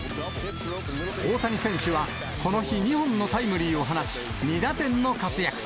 大谷選手はこの日、２本のタイムリーを放ち、２打点の活躍。